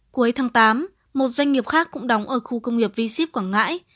cuối tháng tám một doanh nghiệp khác cũng đóng ở khu công nghiệp v ship quảng ngãi